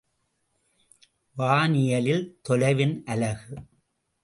வானியலில் தொலைவின் அலகு.